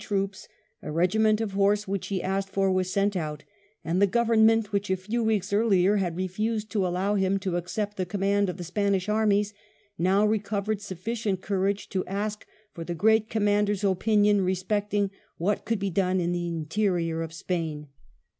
troops, a regiment of horse which he asked for was sent out, and the Govemmentj which a few weeks earlier had refused to allow him to accept the command of the Spanish armies, now recovered sufficient courage to ask for the great commander's opinion respecting what could be done in the interior of Spain.